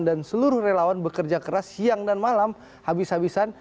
dan seluruh relawan bekerja keras siang dan malam habis habisan